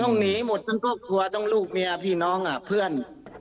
หนีหมดทั้งครอบครัวต้องลูกเมียพี่น้องเพื่อน